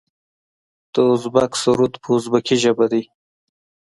د ازبک سرود په ازبکي ژبه دی.